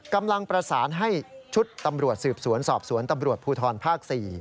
กำลังประสานให้ชุดตำรวจสืบสวนสอบสวนตำรวจภูทรภาค๔